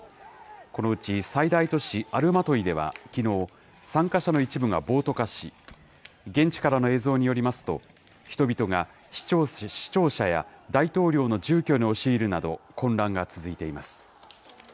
このうち最大都市アルマトイではきのう、参加者の一部が暴徒化し、現地からの映像によりますと、人々が市庁舎や大統領の住居に押し入るなど、混乱が続いています。